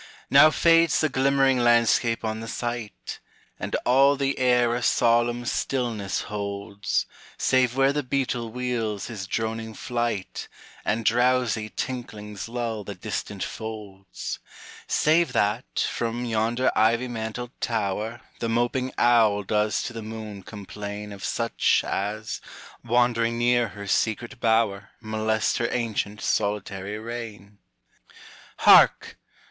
Now fades the glimmering landscape on the sight. And all the air a solemn stillness holds, Save where the beetle wheels his droning flight, And drowsy tinklings lull the distant folds: Save that, from yonder ivy mantled tower, The moping owl does to the moon complain Of such as, wandering near her secret bower, Molest her ancient solitary reign. [Hark!